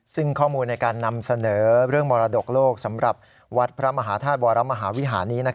ซึ่งข้อมูลในการนำเสนอเรื่องมรดกโลกสำหรับวัดพระมหาธาตุวรมหาวิหารนี้